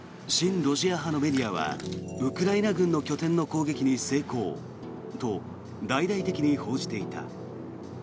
親ロシア派のメディアはウクライナ軍の拠点の攻撃に成功と大々的に報じていた。